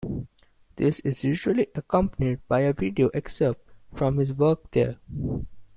This is usually accompanied by a video excerpt from his work there.